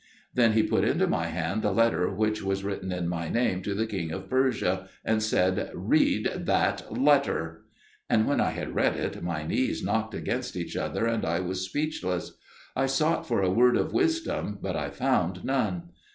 Then he put into my hand the letter which was written in my name to the king of Persia, and said, "Read that letter." And when I had read it, my knees knocked against each other, and I was speechless; I sought for a word of wisdom, but I found none.